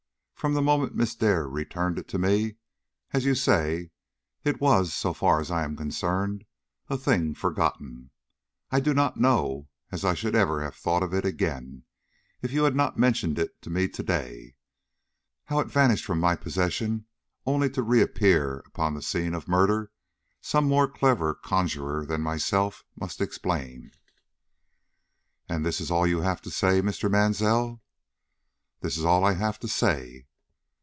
From the moment Miss Dare returned it to me, as you say, it was, so far as I am concerned, a thing forgotten. I do not know as I should ever have thought of it again, if you had not mentioned it to me to day. How it vanished from my possession only to reappear upon the scene of murder, some more clever conjurer than myself must explain." "And this is all you have to say, Mr. Mansell?" "This is all I have to say."